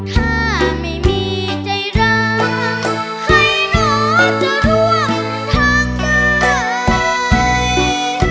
ถ้าไม่มีใจรักให้หนูจะร่วมทางได้